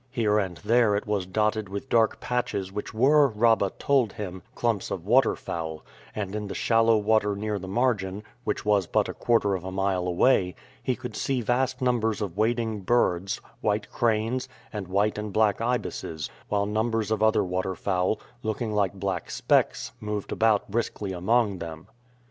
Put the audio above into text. Here and there it was dotted with dark patches which were, Rabah told him, clumps of waterfowl, and in the shallow water near the margin, which was but a quarter of a mile away, he could see vast numbers of wading birds, white cranes, and white and black ibises, while numbers of other waterfowl, looking like black specks, moved about briskly among them.